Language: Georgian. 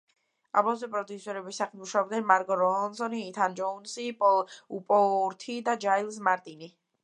ალბომზე პროდიუსერების სახით მუშაობდნენ მარკ რონსონი, ითან ჯოუნსი, პოლ ეპუორთი და ჯაილზ მარტინი.